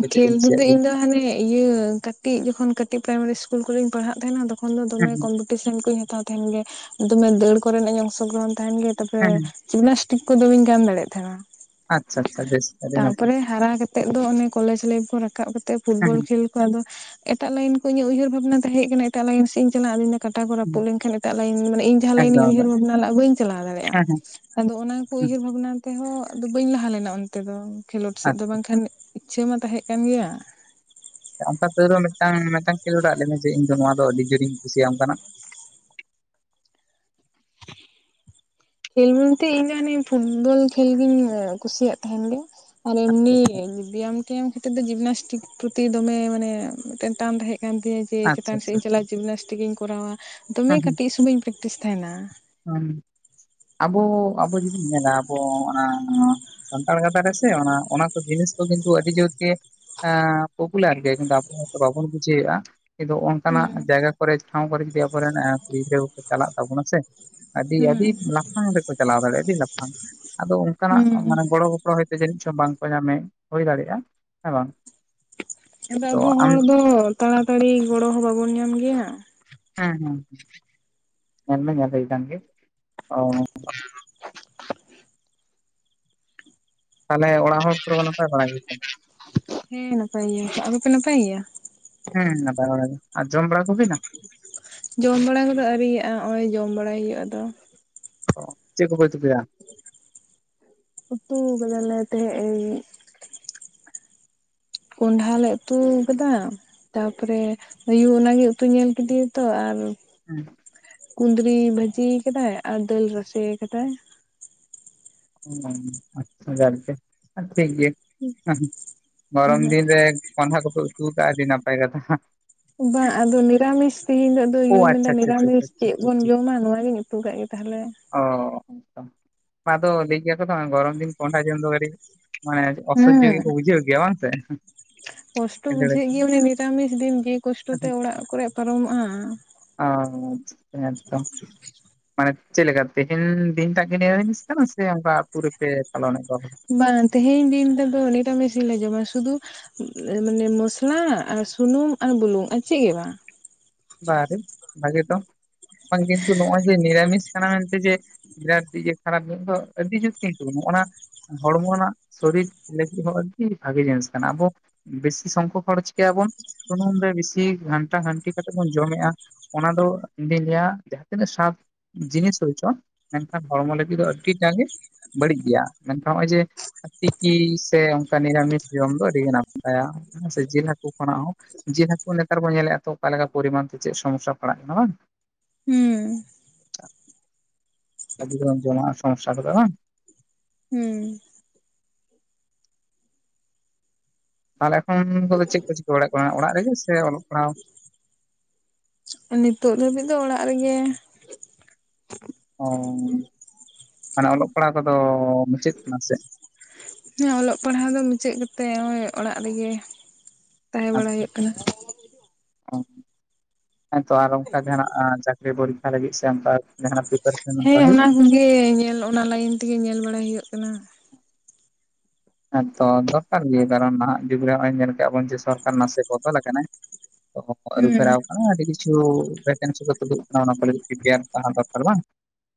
ᱠᱚ ᱪᱮᱫ ᱠᱚᱢ
ᱠᱷᱮᱞ
ᱠᱩᱥᱤᱭᱟᱜ
ᱨᱮᱫᱚ
ᱜᱮᱭᱟ
ᱤᱧ ᱫᱚ ᱦᱟᱱᱮ᱾ ᱤᱭᱟᱹ ᱠᱟᱹᱴᱤᱡ ᱡᱚᱠᱷᱚᱱ ᱠᱟᱹᱴᱤᱡ ᱯᱨᱟᱭᱢᱟᱨᱤ ᱤᱥᱠᱩᱞ ᱠᱚᱨᱮᱧ ᱯᱟᱲᱦᱟᱜ ᱛᱟᱦᱮᱱᱟ ᱛᱚᱠᱷᱚᱱ
ᱦᱮᱸ
ᱫᱚᱢᱮ
ᱦᱮᱸ
[inaudible] ᱴᱤᱭᱤᱥᱟᱱ ᱠᱚᱧ ᱦᱟᱛᱟᱣ ᱛᱟᱦᱮᱱ ᱜᱮ ᱫᱚᱢᱮ ᱫᱟᱹᱲ ᱠᱚᱨᱮᱱᱟᱜ ᱤᱧ ᱚᱝᱥᱚᱜᱨᱚᱦᱚᱱ ᱛᱟᱦᱮᱱ ᱜᱮ ᱛᱚᱵᱮ᱾
ᱦᱮᱸ ᱦᱮᱸ
ᱡᱤᱢᱱᱟᱥᱴᱤᱠ ᱠᱚᱫᱚ ᱵᱟᱹᱧ ᱜᱟᱢ ᱫᱟᱲᱮᱭᱟᱜ ᱛᱟᱦᱮᱱᱟ᱾
ᱟᱪᱪᱷᱟ ᱟᱪᱪᱷᱟ ᱵᱮᱥ ᱟᱹᱰᱤ ᱱᱟᱯᱟᱭ᱾
ᱛᱟᱯᱚᱨᱮ ᱦᱟᱨᱟ ᱠᱟ ᱠᱟᱛᱮᱮᱫ ᱫᱚ ᱚᱱᱮ ᱠᱚᱞᱮᱡᱽ ᱞᱟᱭᱤᱯᱷ ᱠᱚ ᱨᱟᱠᱟᱵ ᱠᱟᱛᱮ
ᱦᱮᱸ
ᱯᱷᱩᱴᱵᱚᱞ
ᱦᱮᱸ
ᱠᱷᱮᱞ ᱟᱫᱚ ᱮᱴᱟᱜ ᱞᱟᱭᱤᱱ ᱠᱚ ᱤᱧᱟᱹᱜ ᱩᱭᱦᱟᱹᱨ ᱵᱷᱟᱵᱽᱱᱟ ᱛᱟᱦᱮᱸᱮᱡ ᱠᱟᱱᱟ ᱮᱴᱟᱜ ᱞᱟᱭᱤᱱ ᱥᱜ ᱤᱧ ᱪᱟᱞᱟᱜ ᱟᱹ [inaudible] ᱠᱟᱴᱟ ᱠᱚ ᱨᱟᱹᱯᱫ
ᱦᱮᱸ
ᱞᱮᱱᱠᱷᱟᱱ ᱮᱴᱟᱜ ᱞᱟᱹᱭᱤᱱ ᱢᱟᱱᱮ ᱤᱧ ᱡᱟᱦᱟᱸ ᱞᱟᱹᱭᱤᱱ ᱤᱧ
ᱮᱠᱫᱚᱢ ᱮᱠᱫᱚᱢ
ᱩᱭᱦᱟᱹᱨ ᱵᱷᱟᱱᱟ ᱞᱟᱜ ᱟ ᱵᱟᱹᱧ ᱪᱟᱞᱟᱣ ᱫᱟᱲᱮᱭᱟᱜᱼᱟ
ᱦᱮᱸ ᱦᱮᱸ
᱾ ᱟᱫᱚ ᱚᱱᱟ ᱠᱚ
ᱦᱮᱸ
ᱩᱭᱦᱟᱹᱨ ᱵᱷᱟᱵᱱᱟ ᱛᱮᱦᱚᱸ ᱟᱫᱚ ᱵᱟᱹᱧ ᱞᱟᱦᱟ ᱞᱮᱱᱟ ᱚᱱᱛᱮ ᱫᱚ ᱠᱷᱮᱞᱳᱰ ᱥᱮᱫ ᱫᱚ
ᱟᱪᱪᱷᱟ
ᱵᱟᱝᱠᱷᱟᱱ ᱤᱪ-ᱪᱷᱟᱹ ᱢᱟ ᱛᱟᱦᱮᱸᱜ ᱠᱟᱱ ᱜᱮᱭᱟ ᱾
ᱚᱱᱠᱟ ᱛᱟᱣ ᱨᱮᱦᱚᱸᱢᱤᱫᱴᱟᱝ ᱢᱤᱫᱴᱟᱝ ᱠᱷᱮᱞᱳᱰᱟᱜ ᱞᱟᱹᱭ ᱢᱮ ᱡᱮ ᱤᱧ ᱫᱚ ᱱᱚᱣᱟ ᱫᱚ ᱟᱹᱰᱤ ᱡᱳᱨᱤᱧ ᱠᱩᱥᱤᱭᱟᱢ ᱠᱟᱱᱟ ᱾
ᱠᱷᱮᱞ ᱢᱮᱱᱛᱮ ᱤᱧᱫᱚ ᱚᱱᱮ ᱯᱷᱩᱴᱵᱚᱞ ᱠᱷᱮᱞ ᱜᱤᱧ ᱠᱩᱥᱤᱭᱟᱜ ᱛᱟᱦᱮᱱ ᱜᱮ ᱾ ᱟᱨ
ᱟᱪᱪᱷᱟ
ᱮᱢᱱᱤ
ᱟᱪᱪᱷᱟ
ᱵᱮᱭᱟᱢ ᱴᱮᱭᱟᱢ ᱠᱷᱟᱹᱛᱤᱨ ᱛᱮ ᱡᱤᱢᱱᱟᱥᱴᱤᱠ ᱯᱨᱚᱛᱤ ᱫᱚᱢᱮ ᱢᱟᱱᱮ ᱢᱤᱫᱴᱮᱱ ᱴᱟᱱ ᱛᱟᱦᱮᱸ ᱠᱟᱱ ᱛᱤᱧᱟᱹ ᱾ ᱥᱮ
ᱟᱪᱪᱷᱟ
ᱪᱮᱛᱟᱱ ᱥᱮᱫ
ᱟᱪᱪᱷᱟ
ᱤᱧ
ᱟᱪᱪᱷᱟ
ᱪᱟᱞᱟᱜᱼᱟ ᱡᱤᱢᱱᱟᱥᱴᱤᱠ ᱤᱧ ᱠᱚᱨᱟᱣᱟ ᱫᱚᱢᱮ ᱠᱟᱹᱴᱤᱡ ᱥᱩᱢᱚᱭᱧ ᱯᱨᱮᱠᱴᱤᱥ ᱛᱟᱦᱮᱱᱟ ᱾
ᱚᱸ ᱟᱵᱚ, ᱟᱵᱚ ᱡᱩᱫᱤᱢ ᱧᱮᱞᱟ ᱟᱵᱚ ᱚᱱᱟ ᱥᱟᱱᱛᱟᱲ ᱜᱟᱛᱟ ᱨᱮᱥᱮ ᱚᱱᱟ ᱠᱚ ᱡᱤᱱᱤᱥ ᱠᱚ ᱠᱤᱱᱛᱩ ᱟᱹᱰᱤ ᱡᱳᱨᱜ, ᱮ' ᱯᱚᱯᱩᱞᱟᱨ ᱜᱮ ᱠᱤᱱᱛᱩ ᱟᱯᱚ ᱵᱟᱵᱚᱱ ᱵᱩᱡᱷᱟᱹᱣᱼᱮᱜ ᱟ ᱾ ᱠᱤᱱᱛᱩ ᱚᱱᱠᱟᱱᱟᱜ
ᱦᱩᱸ
ᱡᱟᱭᱜᱟ ᱠᱚᱨᱮ ᱴᱷᱟᱸᱶ ᱠᱚᱨᱮ ᱡᱚᱫᱤ ᱟᱵᱚᱨᱮᱱ ᱠᱩᱲᱤ ᱜᱤᱫᱽᱨᱟᱹ ᱠᱚᱠᱚ ᱪᱟᱞᱟᱜ ᱛᱟᱵᱚᱱᱟ ᱥᱮ ᱟᱹᱰᱤ
ᱦᱩᱸ
ᱟᱹᱰᱤ ᱞᱟᱯᱷᱟᱝ ᱨᱮᱠᱚ ᱪᱟᱞᱟᱣ ᱫᱟᱲᱮᱭᱟᱜᱼᱟ ᱟᱹᱰᱤ ᱞᱟᱯᱷᱟᱝ ᱟᱫᱚ ᱚᱱᱠᱟᱱᱟᱜ ᱢᱟᱱᱮ
ᱦᱩᱸ
ᱜᱚᱲᱚ ᱜᱚ ᱨᱚᱭ ᱛᱮ ᱡᱟᱹᱱᱤᱪ ᱪᱚ ᱵᱟᱝᱠᱚ ᱧᱟᱢᱮ ᱦᱳᱭ ᱫᱟᱲᱮᱭᱟᱜᱼᱟ ᱦᱮᱸ ᱵᱟᱝ ᱾
ᱪᱚᱜ, ᱟᱫᱚ ᱟᱵᱚ ᱦᱚᱲ ᱫᱚ ᱛᱟᱲᱟ ᱛᱟᱹᱲᱤ ᱜᱚᱲᱚ ᱦᱚᱸ ᱵᱟᱵᱚᱱ ᱧᱟᱢ ᱜᱮᱭᱟ ᱾
ᱦᱮᱸ ᱦᱮᱸᱸ᱾ ᱢᱮᱱ-ᱢᱮ ᱧᱮᱞ ᱦᱳᱭ ᱠᱟᱱ ᱜᱮ, ᱚ ᱾
ᱴᱷᱤᱝ-ᱧᱚᱜ-ᱰᱷᱮ--ᱠᱚᱡ-ᱡᱷᱤᱧᱚᱜ ᱾
ᱛᱟᱞᱦᱮ ᱚᱲᱟᱜ ᱦᱚᱲ ᱯᱩᱨᱟᱹ ᱠᱚ ᱱᱟᱯᱟᱭ ᱵᱟᱲᱟ ᱜᱮᱭᱟ ᱠᱚ ᱾
ᱦᱮᱸ, ᱱᱟᱯᱟᱭ ᱜᱮᱭᱟ ᱟᱯᱮᱯᱮ ᱱᱟᱯᱟᱭ ᱜᱮᱭᱟ?
ᱦᱮᱸ ᱱᱟᱯᱟᱭ ᱵᱟᱲᱟ ᱜᱮ ᱟᱨ ᱡᱚᱢ ᱵᱟᱲᱟ ᱠᱚ ᱦᱩᱣᱱᱟ?
ᱡᱚᱢ ᱵᱟᱲᱟ ᱠᱚᱫᱚ ᱟᱹᱣᱨᱤᱭᱟᱜᱼᱟ ᱱᱚᱜ ᱚᱚᱭ ᱡᱚᱢ ᱵᱟᱲᱟᱭ ᱦᱳᱭᱳᱜ ᱟ ᱟᱫᱚ ᱾
ᱚ, ᱪᱮᱜ ᱠᱚᱯᱮ ᱪᱤᱠᱟᱹᱭᱟ?
ᱩᱛᱩ ᱠᱟᱫᱟ ᱞᱮ ᱛᱮᱹᱦᱮ ᱤᱧ ᱠᱚᱸᱰᱷᱟ ᱞᱮ ᱩᱛᱩ ᱟᱠᱟᱫᱟ ᱛᱟᱯᱚᱨᱮ ᱟᱭᱩ ᱚᱱᱟᱜᱮ ᱩᱛᱩ ᱧᱮᱞ ᱠᱤᱫᱤᱭᱟ ᱛᱚ ᱟᱨ
ᱦᱮᱸᱦ,
ᱠᱩᱸᱫᱽᱨᱤ ᱵᱷᱟᱹᱡᱤ ᱟᱠᱟᱫᱟᱭ ᱟᱨ ᱫᱟᱹᱞ ᱨᱟᱥᱮᱹ ᱟᱠᱟᱫᱟᱭ ᱾
[unintelligible] ᱟᱪ-ᱪᱷᱟ ᱜᱚᱝᱠᱮ [unintelligible] ᱴᱷᱤᱠ ᱜᱮᱭᱟ, ᱩᱦᱸᱩ ᱜᱚᱨᱚᱢ ᱫᱤᱱ ᱨᱮ ᱠᱚᱸᱦᱰᱷᱟ ᱠᱚᱯᱮ ᱩᱛᱩ ᱟᱠᱟᱜ-ᱟ ᱟ. ᱰᱤ ᱱᱟᱯᱟᱭ ᱠᱟᱛᱷᱟ ᱾
ᱵᱟᱝ ᱟᱫᱚ ᱱᱤᱨᱟᱢᱤᱥ ᱛᱮᱦᱮᱧ ᱟᱫᱚ
ᱳ
ᱭᱩᱭ ᱢᱮᱱᱫᱟ
ᱟᱪᱪᱷᱟ ᱟᱪᱪᱷᱟ
ᱱᱤᱨᱟᱢᱤᱥ
ᱟᱪᱪᱷᱟ ᱴᱷᱤᱠ
ᱪᱮᱫ
ᱴᱷᱤᱠ
ᱵᱚᱱ
ᱴᱷᱤᱠ
ᱡᱚᱢᱟ ᱱᱚᱣᱟ ᱜᱤᱧ ᱩᱛᱩ ᱠᱟᱜ ᱜᱮ ᱛᱟᱞᱦᱮ ᱾
ᱚ ᱚᱝᱠᱟ ᱾ ᱛᱚ ᱞᱟᱹᱭ ᱜᱮᱭᱟ ᱠᱚ ᱛᱚ ᱜᱚᱨᱚᱢ ᱫᱤᱱ ᱠᱚᱸᱦᱰᱟ ᱡᱚᱢ ᱫᱚ ᱠᱟᱹᱴᱤᱡ ᱢᱟᱱᱮ ᱪᱮᱫ? ᱚᱥᱚᱡ-ᱡᱚ ᱜᱮ
ᱦᱩᱸ
ᱠᱚ ᱵᱩᱡᱷᱟ, ᱜᱮᱭᱟ ᱵᱟᱝ ᱥᱮ? ᱮᱸᱦᱜ ᱾
ᱠᱚᱥᱴᱚ ᱵᱩᱡᱷᱟᱹᱜ ᱜᱮᱭᱟ ᱢᱚᱱᱮ ᱱᱤᱨᱟᱢᱤᱥ ᱫᱤᱱ ᱡᱮ ᱠᱚᱥᱴᱚ ᱛᱮ ᱚᱲᱟᱜ ᱠᱚᱨᱮ ᱯᱟᱨᱚᱢᱚᱜ-ᱟ ᱾
ᱚ, ᱦᱮᱸᱛ [unintelligible] ᱢᱟᱱᱮ ᱪᱮᱫ ᱞᱮᱠᱟ ᱛᱮᱦᱤᱱ ᱫᱤᱱ ᱴᱟᱜ ᱜᱮ ᱱᱤᱨᱟᱢᱤᱥ? ᱥᱮ [unintelligible] ᱚᱱᱠᱟ ᱟᱛᱩ ᱨᱮᱯᱮ ᱪᱟᱞᱚᱱ ᱮᱜ ᱠᱚᱣᱟ?
ᱵᱟᱝ, ᱛᱮᱹᱦᱮᱹᱧ ᱫᱤᱱ ᱨᱮᱫᱚ ᱱᱤᱨᱟᱢᱤᱥ ᱜᱮᱞᱮ ᱡᱚᱢᱟ ᱥᱩᱫᱩ ᱩᱸᱜ ᱢᱟᱱᱮ ᱢᱚᱥᱞᱟ ᱟᱨ ᱥᱩᱱᱩᱢ ᱟᱨ ᱵᱩᱞᱩᱝ ᱟᱨ ᱪᱮᱜ ᱦᱳᱭᱳᱜ-ᱟ?
ᱵᱟᱨ ᱵᱷᱟᱜᱮ ᱛᱚ, ᱵᱟᱝ ᱠᱤᱱᱛᱩ ᱱᱚᱜ-ᱚᱭ ᱡᱮ ᱱᱤᱨᱟᱢᱤᱥ ᱠᱟᱱᱟ ᱢᱮᱱᱛᱮ ᱡᱮ [unintelligible] ᱠᱷᱟᱨᱟᱯ ᱧᱚᱜ ᱫᱚ ᱟᱹᱰᱤ ᱡᱳᱨ ᱠᱤᱱᱛᱩ ᱚᱱᱟ ᱦᱚᱲᱢᱚ ᱨᱮᱱᱟᱜ ᱥᱚᱨᱤᱠ ᱞᱟᱹᱜᱤᱫ ᱦᱚᱸ ᱟᱹᱰᱤ ᱵᱷᱟᱜᱮ ᱡᱤᱱᱤᱥ ᱠᱟᱱᱟ, ᱟᱵᱚ ᱵᱮᱥᱤ ᱥᱚᱝᱠᱷᱚᱠ ᱦᱚᱲ ᱪᱤᱠᱟᱹᱭᱟ ᱵᱚᱱ ᱥᱩᱱᱩᱢ ᱨᱮ ᱵᱤᱥᱤ ᱜᱷᱟᱱᱴᱟ ᱜᱷᱟᱹᱱᱴᱤ ᱠᱟᱛᱮ ᱵᱚᱱ ᱡᱚᱢᱮᱜ-ᱟ ᱚᱱᱟ ᱫᱚ ᱤᱧᱫᱩᱧ ᱞᱟᱹᱭᱟ ᱡᱟᱦᱟᱸ ᱛᱤᱱᱟᱹᱜ ᱥᱟᱫᱷ ᱡᱤᱱᱤᱥ ᱦᱳᱭ ᱦᱚᱪᱚ ᱢᱮᱱᱠᱷᱟᱱ ᱦᱚᱲᱢᱚ ᱞᱟᱹᱜᱤᱫ ᱫᱚ ᱟᱹᱰᱤᱴᱟ ᱜᱮ ᱵᱟᱹᱲᱤᱡ ᱜᱮᱭᱟ, ᱢᱮᱱᱠᱷᱟᱱ ᱱᱚᱜ-ᱚᱭ ᱡᱮ ᱛᱤᱠᱤ ᱥᱮ ᱚᱱᱠᱟ ᱱᱤᱨᱟᱢᱤᱥ ᱡᱚᱢ ᱫᱚ ᱟᱹᱰᱤᱜᱮ ᱱᱟᱯᱟᱭᱟ ᱦᱮᱸᱥᱮ ᱡᱤᱞ ᱦᱟᱹᱠᱩ ᱠᱷᱚᱱᱟᱜ ᱦᱚᱸ᱾ ᱡᱤᱞ ᱦᱟᱹᱠᱩ ᱱᱮᱛᱟᱨ ᱵᱚᱱ ᱧᱮᱞᱮᱜ-ᱟ ᱛᱚ ᱚᱠᱟ ᱯᱚᱨᱤᱢᱟᱱ ᱛᱮ ᱪᱮᱫ ᱥᱚᱢᱚᱥᱥᱟ ᱯᱟᱲᱟᱜ ᱠᱟᱱᱟ ᱵᱟᱝ?
ᱦᱩᱸ
ᱟᱹᱰᱤᱜᱟᱱ ᱡᱚᱢᱟᱜ ᱥᱚᱢᱚᱥᱟ ᱜᱚᱫᱚᱜ-ᱟ ᱵᱟᱝ?
ᱦᱩᱸ᱾
ᱛᱟᱦᱮᱞᱮ ᱮᱱᱠᱷᱚᱱ ᱠᱚᱫᱚ ᱪᱮᱫ ᱠᱚ ᱪᱤᱠᱟᱹ ᱵᱟᱲᱟᱜ ᱠᱟᱱᱟ ᱚᱲᱟᱜ ᱨᱮᱜᱮ ᱥᱮ ᱚᱞᱚᱜ ᱯᱟᱲᱦᱟᱣ?
ᱱᱤᱛᱚᱜ ᱫᱷᱟᱹᱵᱤᱡ ᱫᱚ ᱚᱲᱟᱜ ᱨᱮᱜᱮ ᱾
ᱚ ᱢᱟᱱᱮ ᱚᱞᱚᱜ ᱯᱟᱲᱦᱟᱣ ᱠᱚᱫᱚ ᱢᱩᱪᱟᱹᱫ ᱠᱟᱱᱟ ᱥᱮ ᱪᱮᱫ?
ᱦᱮᱸ ᱚᱞᱚᱜ ᱯᱟᱲᱦᱟᱣ ᱫᱚ ᱢᱩᱪᱟᱹᱫ ᱠᱟᱛᱮᱜ ᱦᱚᱜ-ᱚᱭ ᱚᱲᱟᱜ ᱨᱮᱜᱮ ᱛᱟᱦᱮᱸ ᱵᱟᱲᱟᱭ
ᱟᱪᱪᱷᱟ
ᱦᱩᱭᱩᱜ ᱠᱟᱱᱟ ᱾
ᱚ᱾ ᱦᱮᱸ ᱛᱚ ᱟᱨ ᱚᱱᱠᱟ ᱡᱟᱦᱟᱱᱟᱜ ᱪᱟᱠᱨᱤ ᱯᱚᱨᱤᱠᱠᱷᱟ ᱞᱟᱹᱜᱤᱫ ᱥᱮ ᱚᱱᱠᱟ ᱡᱟᱦᱟᱱᱟᱜ ᱯᱤ
ᱦᱮᱸ ᱚᱱᱟ ᱠᱚᱜᱮ ᱧᱮᱞ ᱚᱱᱟ ᱞᱟᱭᱤᱱ ᱛᱮᱜᱮ ᱧᱮᱞ ᱵᱟᱲᱟᱭ ᱦᱩᱭᱩᱜ ᱠᱟᱱᱟ ᱾
ᱦᱮᱸ ᱛᱚ ᱫᱚᱨᱠᱟᱨ ᱜᱮ ᱠᱟᱨᱚᱱ ᱱᱟᱦᱟᱜ ᱡᱩᱜᱽᱨᱮ ᱦᱚᱜ-ᱚᱭ ᱧᱮᱞ ᱠᱟᱜ-ᱟ ᱵᱚᱱ ᱡᱮ ᱥᱚᱨᱠᱟᱨ ᱱᱟᱥᱮ ᱵᱚᱫᱚᱞ ᱟᱠᱟᱱᱟᱭ᱾ ᱟᱹᱨᱩ
ᱦᱩᱸ
ᱯᱷᱮᱨᱟᱣ ᱟᱠᱟᱱᱟ ᱟᱹᱰᱤ ᱠᱤᱪᱷᱩ ᱵᱷᱮᱠᱮᱱᱥᱤ ᱠᱚ ᱛᱩᱫᱩᱜ ᱠᱟᱱᱟ ᱚᱱᱟ ᱠᱚ ᱞᱟᱹᱜᱤᱫ ᱯᱨᱤᱯᱮᱭᱟᱨ ᱛᱟᱦᱮᱸ ᱫᱚᱨᱠᱟᱨ ᱵᱟᱝ?